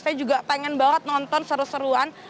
saya juga pengen banget nonton seru seruan